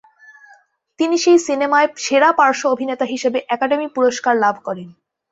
তিনি সেই সিনেমায় সেরা পার্শ্ব অভিনেতা হিসেবে একাডেমি পুরস্কার লাভ করেন।